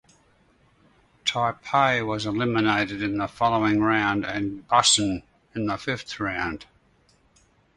Taipei was eliminated in the following round and Busan in the fifth round.